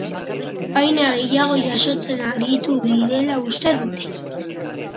Baina gehiago jasotzen aritu direla uste dute.